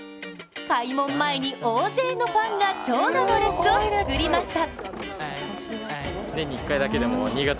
開門前に大勢のファンが長蛇の列を作りました。